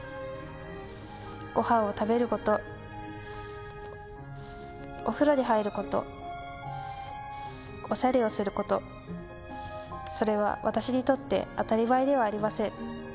ごはんを食べること、お風呂に入ること、おしゃれをすること、それは、私にとって当たり前ではありません。